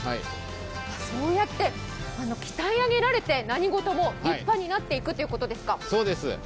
そうやって鍛え上げられて何事も立派になっていくということですか？